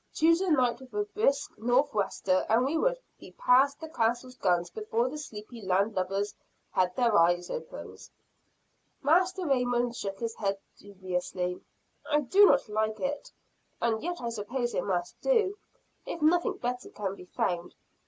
Choose a night with a brisk nor'wester, and we would be past the castle's guns before the sleepy land lubbers had their eyes open." Master Raymond shook his head dubiously. "I do not like it and yet I suppose it must do, if nothing better can be found.